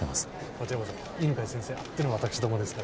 こちらこそ犬飼先生あっての私どもですから。